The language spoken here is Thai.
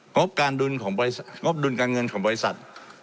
งบดุลการเงินของบริษัท